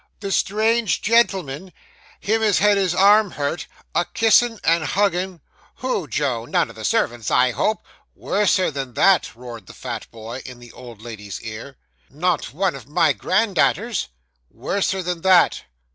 'The strange gentleman him as had his arm hurt a kissin' and huggin' ' 'Who, Joe? None of the servants, I hope.' Worser than that,' roared the fat boy, in the old lady's ear. 'Not one of my grandda'aters?' 'Worser than that.